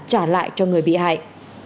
trả lại cho người bị hại